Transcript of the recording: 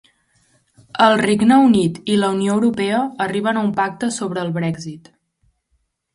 El Regne Unit i la Unió Europea arriben a un pacte sobre el Brexit.